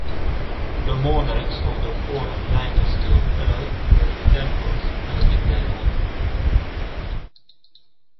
The monarchs of the fourth dynasty of Ur had temples built in their honor.